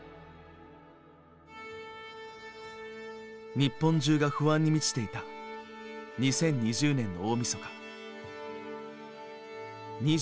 日本中が不安に満ちていた２０２０年の大みそか。